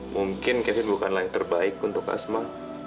mungkin kevin bukanlah yang terbaik untuk asma